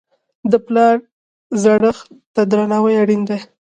د پلار زړښت ته درناوی اړین دی.